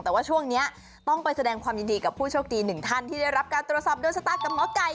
แต่ว่าช่วงนี้ต้องไปแสดงความยินดีกับผู้โชคดีหนึ่งท่านที่ได้รับการตรวจสอบโดนชะตากับหมอไก่